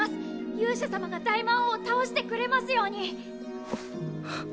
勇者様が大魔王を倒してくれますように。